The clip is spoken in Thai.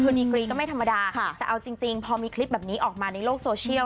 คือดีกรีก็ไม่ธรรมดาแต่เอาจริงพอมีคลิปแบบนี้ออกมาในโลกโซเชียล